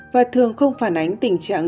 và thường không phản ánh tình trạng